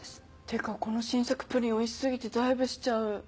てかこの新作プリンおいし過ぎてダイブしちゃう。